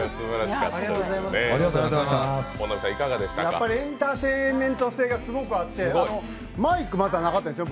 やっぱりエンタテインメント性がすごくあって、マイク、まだなかったですか？